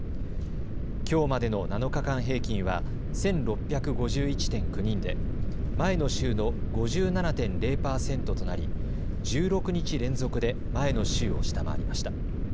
きょうまでの７日間平均は１６５１．９人で前の週の５７．０％となり１６日連続で前の週を下回りました。